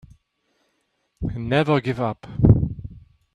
Never give up.